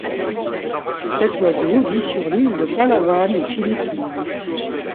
Cet oiseau vit sur l'île de Palawan aux Philippines.